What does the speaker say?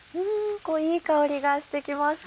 いい香りがしてきました。